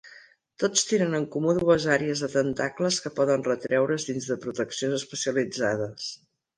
Tots tenen en comú dues àrees de tentacles que poden retreure's dins de proteccions especialitzades.